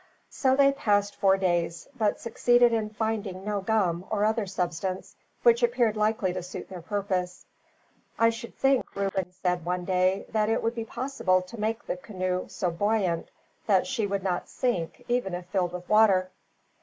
So they passed four days; but succeeded in finding no gum, or other substance, which appeared likely to suit their purpose. "I should think," Reuben said one day, "that it would be possible to make the canoe so buoyant that she would not sink, even if filled with water."